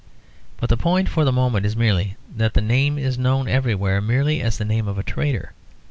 But the point for the moment is merely that the name is known everywhere merely as the name of a traitor.